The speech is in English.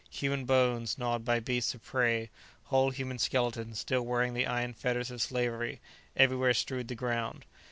Human bones gnawed by beasts of prey, whole human skeletons, still wearing the iron fetters of slavery, everywhere strewed the ground.